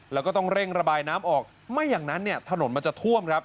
แล้วก็ต้องเร่งระบายน้ำออกไม่อย่างนั้นเนี่ยถนนมันจะท่วมครับ